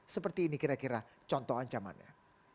seperti ini kira kira contoh ancamannya